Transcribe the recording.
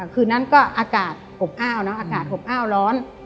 คืนนั้นก็อากาศอบอ้าวนะอากาศอบอ้าวร้อน